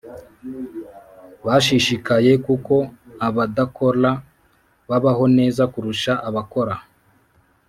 bashishikaye kuko abadakora babaho neza kurusha abakora.